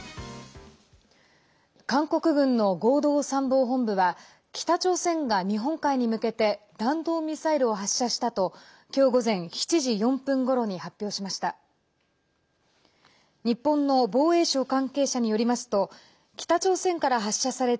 韓国軍の合同参謀本部は北朝鮮が日本海に向けて弾道ミサイルを発射したと今日午前７時４分ごろに発表しました。